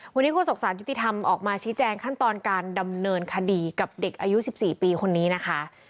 วันนี้โฆษกศาลยุติธรรมออกมาชี้แจงขั้นตอนการดำเนินคดีกับเด็กอายุ๑๔ปีคนนี้นะคะ